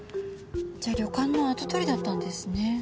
じゃあ旅館の跡取りだったんですね。